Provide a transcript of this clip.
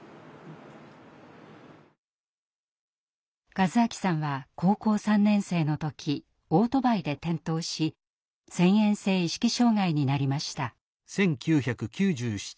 和明さんは高校３年生の時オートバイで転倒し遷延性意識障害になりました。